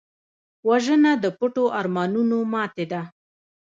وژنه د پټو ارمانونو ماتې ده